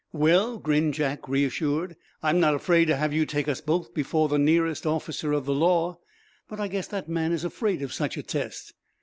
"Well," grinned Jack, reassured, "I'm not afraid to have you take us both before the nearest officer of the law. But I guess that man is afraid of such a test."